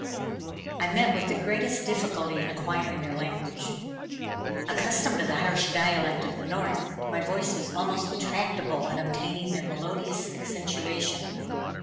I met with the greatest difficulty in acquiring their language. Accustomed to the harsh dialect of the North, my voice was almost intractable in obtaining their melodious accentuation.